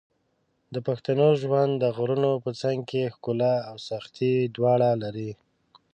د پښتنو ژوند د غرونو په څنګ کې ښکلا او سختۍ دواړه لري.